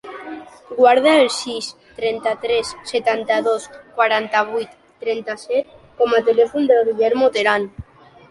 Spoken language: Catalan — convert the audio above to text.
Guarda el sis, trenta-tres, setanta-dos, quaranta-vuit, trenta-set com a telèfon del Guillermo Teran.